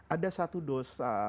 ada satu dosa